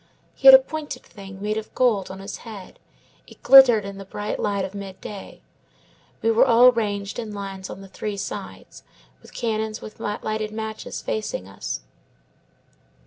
He had a pointed thing, made of gold, on his head; it glittered in the bright light of midday. We were all ranged in lines on the three sides, with cannons with lighted matches facing us.